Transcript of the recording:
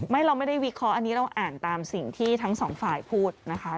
เราไม่ได้วิเคราะห์อันนี้เราอ่านตามสิ่งที่ทั้งสองฝ่ายพูดนะคะ